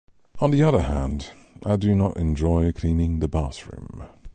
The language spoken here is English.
On the other hand, I do not enjoy cleaning the bathroom.